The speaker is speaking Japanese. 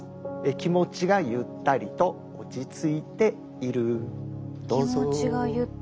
「気持ちがゆったりと落ち着いている」。